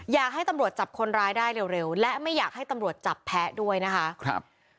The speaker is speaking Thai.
อยากให้ตำรวจจับคนร้ายได้เร็วและไม่อยากให้ตำรวจจับแพ้ด้วยนะคะครับ